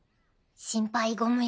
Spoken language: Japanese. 心配ご無用。